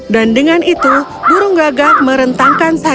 dan dengan itu burung gagak berhutang